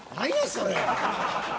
それ。